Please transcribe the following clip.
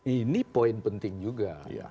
ini poin penting juga